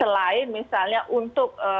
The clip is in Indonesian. selain misalnya untuk